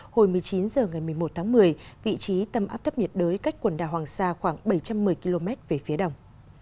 hồi một mươi chín h ngày một mươi một tháng một mươi vị trí tâm áp thấp nhiệt đới cách quần đảo hoàng sa khoảng bảy trăm một mươi km về phía đông